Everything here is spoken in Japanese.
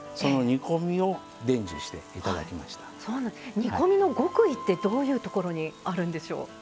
煮込みの極意ってどういうところにあるんでしょう？